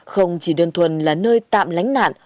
không chỉ đơn thuần là nơi tạm lánh nạn